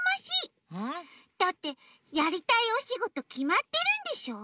ん？だってやりたいおしごときまってるんでしょ？